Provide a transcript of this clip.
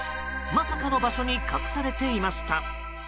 まさかの場所に隠されていました。